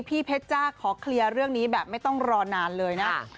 เพชรจ้าขอเคลียร์เรื่องนี้แบบไม่ต้องรอนานเลยนะ